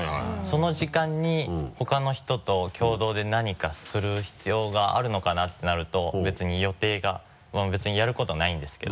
その時間に他の人と共同で何かする必要があるのかな？ってなると別に予定がまぁ別にやることないんですけど。